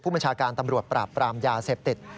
บัญชาการตำรวจปราบปรามยาเสพติด